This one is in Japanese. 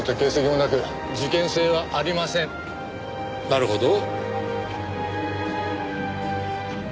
なるほど。